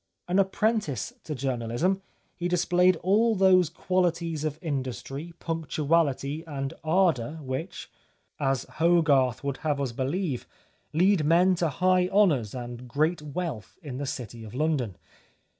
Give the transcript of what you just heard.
An apprentice to journalism, he displayed all those qualities of industry, punctuality, and ardour which, as Hogarth would have us believe, lead men to high honours and great wealth in the city of London.